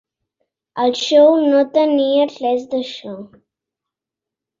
El xou no tenia res d'això.